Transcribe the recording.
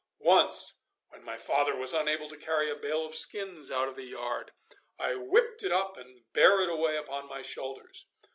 Once when my father was unable to carry a bale of skins out of the yard, I whipped it up and bare it away upon my shoulders.